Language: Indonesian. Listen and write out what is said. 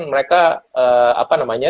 mereka apa namanya